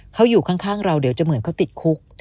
เขาอยู่ข้างเราเดี๋ยวจะเหมือนเขาติดคุก